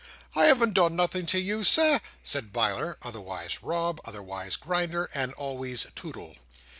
"I haven't done nothing to you, Sir," said Biler, otherwise Rob, otherwise Grinder, and always Toodle.